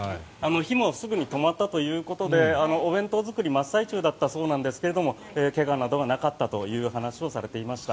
火もすぐに止まったということでお弁当作りの真っ最中だったそうですが怪我などはなかったという話をされていました。